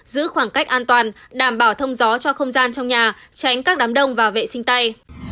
giữ khoảng cách an toàn đảm bảo thông gió cho không gian trong nhà tránh các đám đông và vệ sinh tay